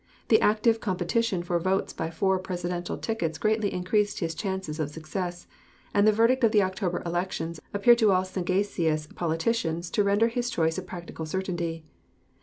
The active competition for votes by four Presidential tickets greatly increased his chances of success; and the verdict of the October elections appeared to all sagacious politicians to render his choice a practical certainty.